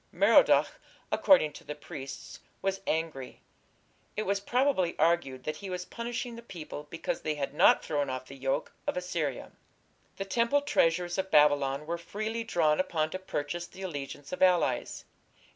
Merodach, according to the priests, was angry; it was probably argued that he was punishing the people because they had not thrown off the yoke of Assyria. The temple treasures of Babylon were freely drawn upon to purchase the allegiance of allies.